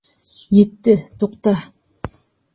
Етте, туҡта.